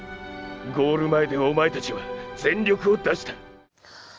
ゴール前でお前たちは全力を出した。